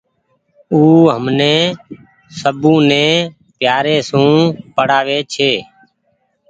او همني سبوني پيآري سون پڙآوي ڇي۔